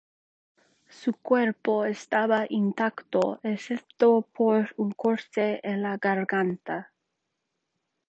Su cuerpo estaba intacto excepto por un corte en la garganta.